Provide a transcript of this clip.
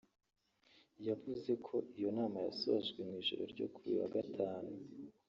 yavuze ko iyo nama yasojwe mu ijoro ryo kuri uyu wa Gatanu